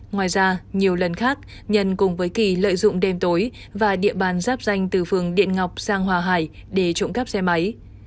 ngoài ra nhiều lần khác nhân cùng với kỳ lợi dụng đêm tối và địa bàn giáp danh từ phường điện ngọc sang hòa hải để trộm cắp xe máy